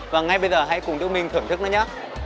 và ngay bây giờ hãy cùng đức minh thưởng thức nó nhé